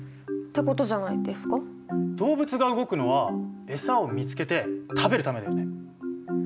動物が動くのはエサを見つけて食べるためだよね。